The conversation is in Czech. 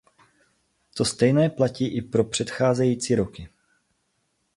To stejné platí i pro předcházející roky.